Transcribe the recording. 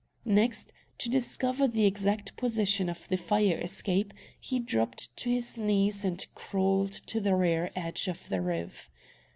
Next, to discover the exact position of the fire escape, he dropped to his knees and crawled to the rear edge of the roof.